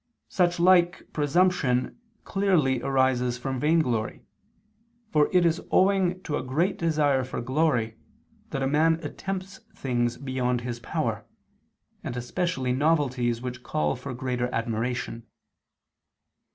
Such like presumption clearly arises from vainglory; for it is owing to a great desire for glory, that a man attempts things beyond his power, and especially novelties which call for greater admiration.